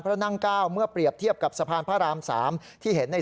พระนั่ง๙เมื่อเปรียบเทียบกับสะพานพระราม๓ที่เห็นใน